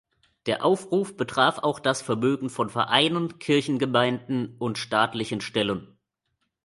Der Aufruf betraf auch das Vermögen von Vereinen, Kirchengemeinden und staatlichen Stellen.